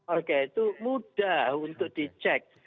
oke itu mudah untuk dicek